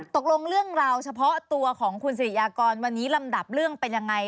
ตกลงเรื่องราวเฉพาะตัวของคุณสิริยากรวันนี้ลำดับเรื่องเป็นยังไง